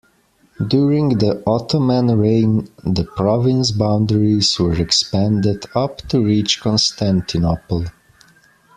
During the Ottoman reign, the province boundaries were expanded up to reach Constantinople.